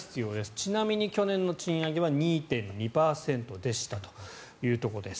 ちなみに去年の賃上げは２．２％でしたというところです。